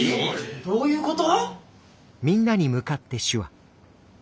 どういうこと？